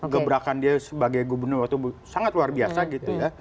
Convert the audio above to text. gebrakan dia sebagai gubernur waktu sangat luar biasa gitu ya